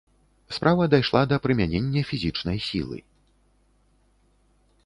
Справа дайшла да прымянення фізічнай сілы.